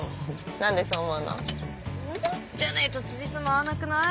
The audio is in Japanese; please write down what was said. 何でそう思うの？じゃないとつじつま合わなくない？